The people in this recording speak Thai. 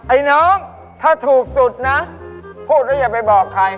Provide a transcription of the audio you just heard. ไอ้น้องถ้าถูกสุดนะพูดแล้วอย่าไปบอกใคร